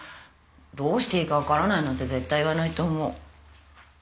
「どうしていいか分からない」なんて絶対言わないと思う。